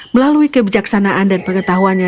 melalui kebijaksanaan dan pengetahuannya